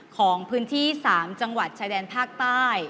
ของพื้นที่๓จังหวัดชายแดนภาคใต้